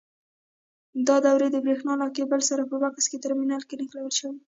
دا دورې د برېښنا له کېبل سره په بکس ټرمینل کې نښلول شوي.